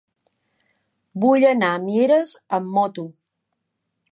Vull anar a Mieres amb moto.